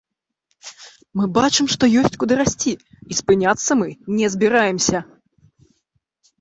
Мы бачым, што ёсць, куды расці, і спыняцца мы не збіраемся.